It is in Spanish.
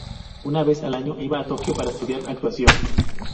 Una vez al año, iba a Tokio para estudiar actuación.